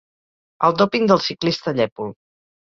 El dòping del ciclista llèpol.